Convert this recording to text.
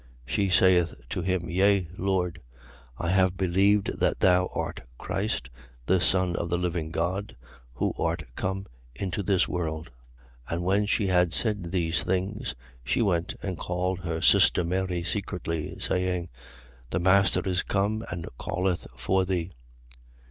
11:27. She saith to him: Yea, Lord, I have believed that thou art Christ, the Son of the living God, who art come into this world. 11:28. And when she had said these things, she went and called her sister Mary secretly, saying: The master is come and calleth for thee.